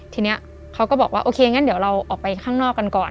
ทีนี้เขาก็บอกว่าโอเคงั้นเดี๋ยวเราออกไปข้างนอกกันก่อน